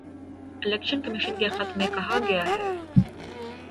election commission کے خط میں کہا گیا ہے